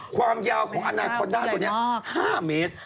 ความยาวของอนาคอนด้าตัวนี้๕เมตร